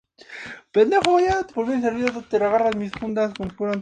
Cuando murió su esposo, ella regresó a Roma, donde permaneció hasta su muerte.